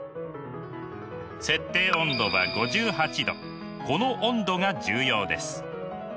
設定温度はこの温度が重要です。